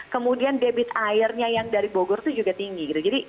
kemudian debit airnya yang dari bogor itu juga tinggi gitu